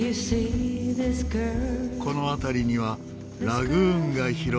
この辺りにはラグーンが広がります。